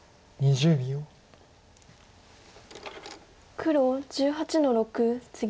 黒１８の六ツギ。